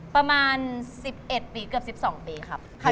ประมาณ๑๑ปีเกือบ๑๒ปีครับ